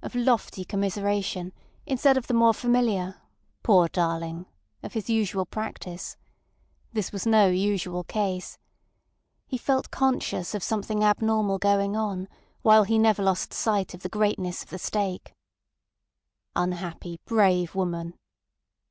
of lofty commiseration instead of the more familiar "Poor darling!" of his usual practice. This was no usual case. He felt conscious of something abnormal going on, while he never lost sight of the greatness of the stake. "Unhappy, brave woman!"